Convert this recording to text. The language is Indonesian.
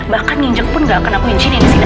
bahkan nginjek pun gak akan aku injinin di sini